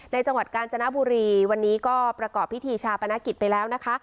จังหวัดกาญจนบุรีวันนี้ก็ประกอบพิธีชาปนกิจไปแล้วนะคะ